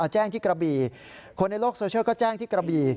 แจ้งที่กระบีคนในโลกโซเชียลก็แจ้งที่กระบี